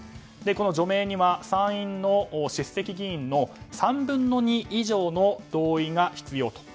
この除名には参院の出席議員の３分の２以上の同意が必要と。